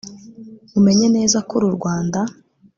umenye neza k' uru rwanda